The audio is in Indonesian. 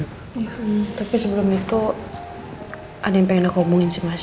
hmm tapi sebelum itu ada yang pengen aku ombungin sih mas